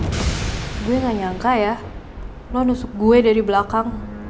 gue gak nyangka ya lo nusuk gue dari belakang